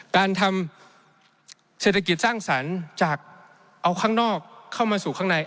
การทำเศรษฐกิจสร้างสรรค์จากเอาข้างนอกเข้ามาสู่ข้างใน